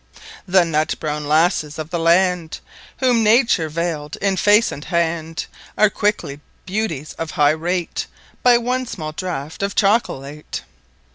The Nut Browne Lasses of the Land Whom Nature vayl'd in Face and Hand, Are quickly Beauties of High Rate, By one small Draught of Chocolate.